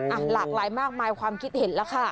หลากหลายมากมายความคิดเห็นแล้วค่ะ